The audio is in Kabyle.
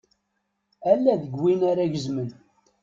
Ala deg win ara gezmen.